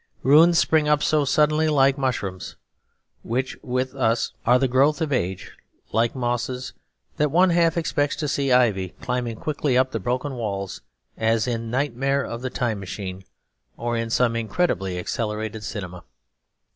Ruins spring up so suddenly like mushrooms, which with us are the growth of age like mosses, that one half expects to see ivy climbing quickly up the broken walls as in the nightmare of the Time Machine, or in some incredibly accelerated cinema.